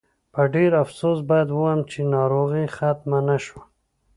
په ډېر افسوس باید ووایم چې ناروغي ختمه نه شوه.